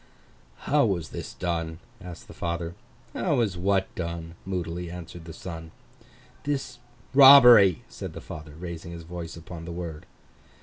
'How was this done?' asked the father. 'How was what done?' moodily answered the son. 'This robbery,' said the father, raising his voice upon the word.